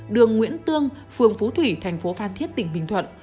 đường nguyễn tương phường phú thủy thành phố phan thiết tỉnh bình thuận